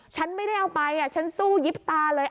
ฉันไม่ได้เอาไปฉันสู้ยิบตาเลย